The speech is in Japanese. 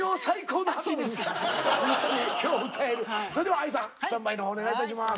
それではＡＩさんスタンバイのほうお願いいたします。